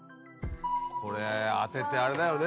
これ当ててあれだよね。